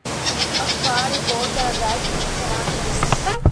اخبار رپورٹ کا آغاز اس طرح کر ہے